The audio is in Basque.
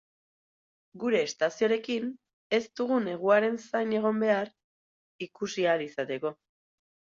Gure estazioarekin, ez dugu neguaren zain egon behar ikusi ahal izateko.